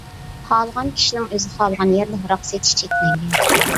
خالىغان كىشىنىڭ ئۆزى خالىغان يەردە ھاراق سېتىشى چەكلەنگەن.